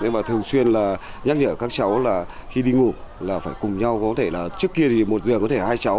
và thường xuyên là nhắc nhở các cháu là khi đi ngủ là phải cùng nhau có thể là trước kia thì một giờ có thể hai cháu